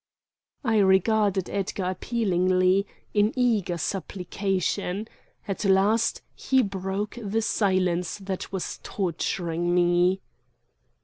I regarded Edgar appealingly, in eager supplication. At last he broke the silence that was torturing me.